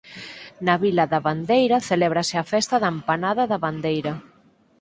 Na vila da Bandeira celébrase a festa da empanada da Bandeira.